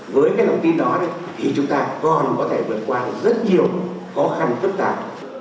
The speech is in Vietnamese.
với cái thông tin đó thì chúng ta còn có thể vượt qua rất nhiều khó khăn phức tạp